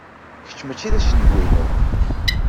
Kečč mačči d acengu-inu.